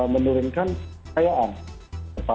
menurunkan kayaan kepada